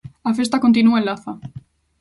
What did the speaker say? A festa continúa en Laza.